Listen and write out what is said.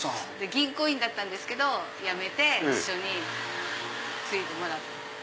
銀行員だったんですけど辞めて一緒に継いでもらった。